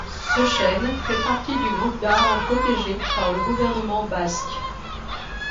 Ce chêne fait partie du groupe d'arbres protégés par le Gouvernement Basque.